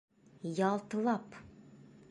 Ялтлап